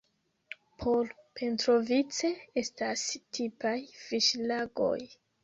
Por Petrovice estas tipaj fiŝlagoj.